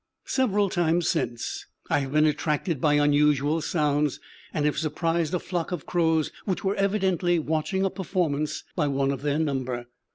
Several times since, I have been attracted by unusual sounds, and have surprised a flock of crows which were evidently watching a performance by one of their number.